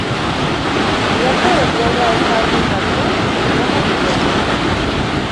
Вячэра з'яўляецца адным з асноўных прыёмаў ежы.